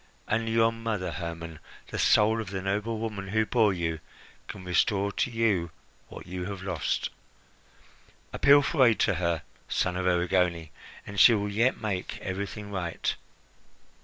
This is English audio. Only your mother, Hermon, the soul of the noble woman who bore you, can restore to you what you have lost. Appeal for aid to her, son of Erigone, and she will yet make everything right."